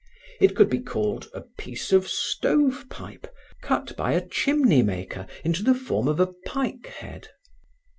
It could be called a piece of stove pipe, cut by a chimney maker into the form of a pike head.